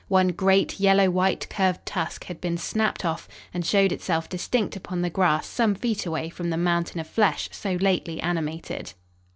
One great, yellow white, curved tusk had been snapped off and showed itself distinct upon the grass some feet away from the mountain of flesh so lately animated.